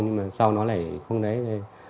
nhưng mà sao nó lại không lấy